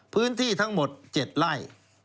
พื้นที่ทั้งหมด๗ไร่